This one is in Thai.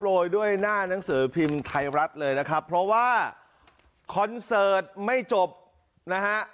ด้วยหน้าหนังสือพิมพ์ไทยรัฐเลยนะครับเพราะว่าคอนเสิร์ตไม่จบนะฮะ